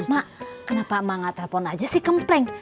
mak kenapa emang gak telepon aja si kempleng